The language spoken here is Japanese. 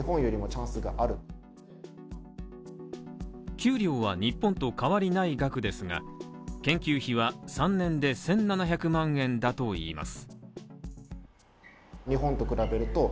給料は日本と変わりない額ですが、研究費は３年で１７００万円だといいます。